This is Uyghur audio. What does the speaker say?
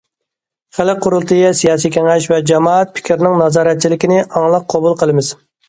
خەلق قۇرۇلتىيى، سىياسىي كېڭەش ۋە جامائەت پىكرىنىڭ نازارەتچىلىكىنى ئاڭلىق قوبۇل قىلىمىز.